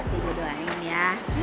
pasti gue doain ya